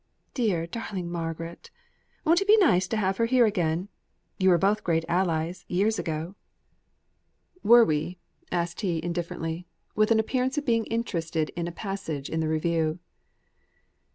Dear, darling Margaret; won't it be nice to have her here, again? You were both great allies, years ago." "Were we?" asked he indifferently, with an appearance of being interested in a passage in the Review.